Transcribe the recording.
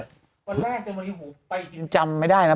วันแรกจนวันนี้ผมไปยังจำไม่ได้นะ